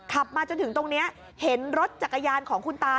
มาจนถึงตรงนี้เห็นรถจักรยานของคุณตา